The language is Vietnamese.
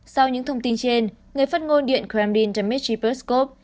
sau những thông tin trên người phát ngôn điện kremlin d dmitry peskov